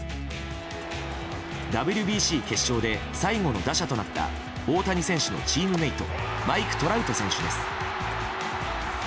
ＷＢＣ決勝で最後の打者となった大谷選手のチームメートマイク・トラウト選手です。